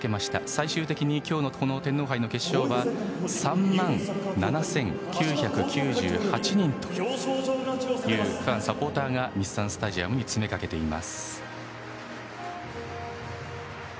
最終的に今日の天皇杯の決勝は３万７９９８人というファン、サポーターが日産スタジアムに詰めかけています。